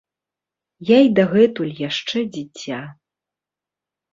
Я і дагэтуль яшчэ дзіця.